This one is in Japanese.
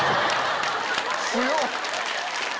強っ！